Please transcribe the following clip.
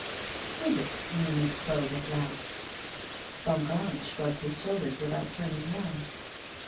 'Exquisite,' murmured Claude, at last. Bongrand shrugged his shoulders without turning round.